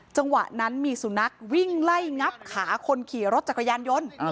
จังหวะนั้นมีสุนัขวิ่งไล่งับขาคนขี่รถจักรยานยนต์